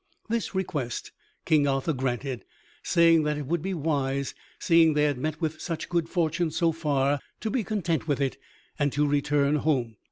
This request King Arthur granted, saying that it would be wise, seeing they had met with such good fortune so far, to be content with it and to return home.